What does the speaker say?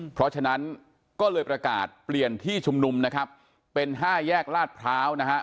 เพราะฉะนั้นก็เลยประกาศเปลี่ยนที่ชุมนุมนะครับเป็นห้าแยกลาดพร้าวนะฮะ